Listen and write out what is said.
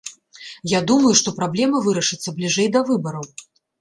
Я думаю, што праблема вырашыцца бліжэй да выбараў.